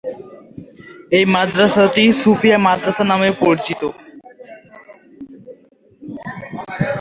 এই মাদ্রাসাটি সুফিয়া মাদ্রাসা নামেও পরিচিত।